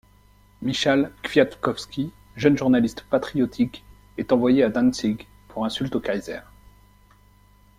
Michał Kwiatkowski, jeune journaliste patriotique, est envoyé à Dantzig pour insulte au kaiser.